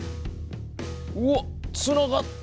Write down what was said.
うわっつながった！